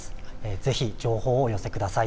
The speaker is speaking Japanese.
ぜひ情報をお寄せください。